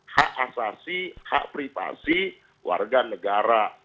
hak asasi hak privasi warga negara